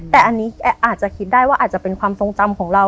แต่อันนี้อาจจะคิดได้ว่าอาจจะเป็นความทรงจำของเรา